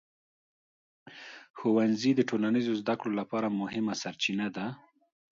ښوونځي د ټولنیز زده کړو لپاره مهمه سرچینه ده.